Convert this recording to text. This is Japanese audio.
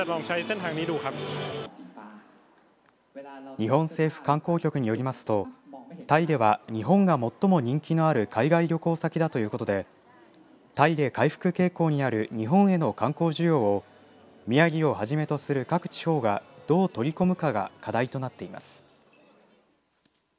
日本政府観光局によりますとタイでは日本が最も人気のある海外旅行先だということでタイで回復傾向にある日本への観光需要を宮城をはじめとする各地方がどう取り込むかが課題となっています。